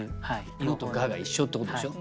「の」と「が」が一緒ってことでしょ。